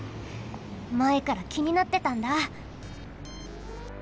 まえからきになってたんだ！